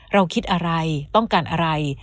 เราคิดอะไรต้องการอะไร